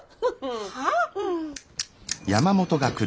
はあ？